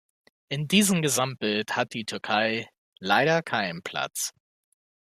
In diesem Gesamtbild hat die Türkei leider keinen Platz.